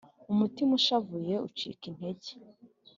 umutima ushavuye ucika intege.